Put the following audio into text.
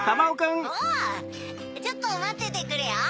おちょっとまっててくれよ。